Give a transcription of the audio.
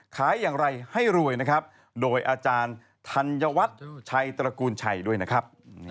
ขายอย่างไรให้รวยนะครับโดยอาจารย์ธัญวัฒน์ชัยตระกูลชัยด้วยนะครับ